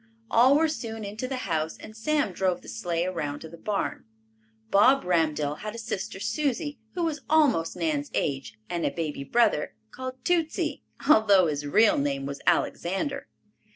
All were soon into the house and Sam drove the sleigh around to the barn. Bob Ramdell had a sister Susie, who was almost Nan's age, and a baby brother called Tootsie, although his real name was Alexander.